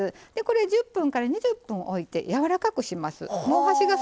１０分から２０分置いてやわらかくします。